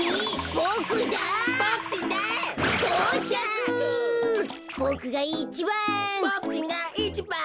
ボクがいちばん。